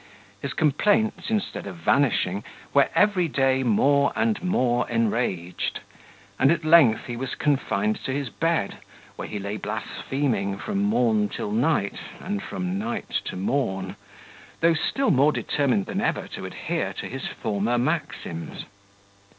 His complaints, instead of vanishing, were every day more and more enraged: and at length he was confined to his bed, where he lay blaspheming from morn to night, and from night to morn, though still more determined than ever to adhere to his former maxims.